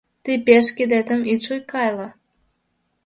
Тый пеш кидетым ит шуйкале.